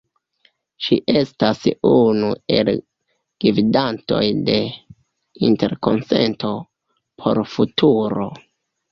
Ŝi estas unu el gvidantoj de Interkonsento por Futuro.